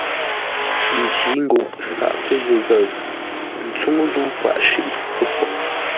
Njǐ nguʼ saʼ pə́ ghəghəʉ ə́ tsúŋú zə́u kwaʼ shʉʼʉ ə́ poŋ.